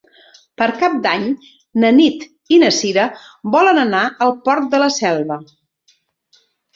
Per Cap d'Any na Nit i na Cira volen anar al Port de la Selva.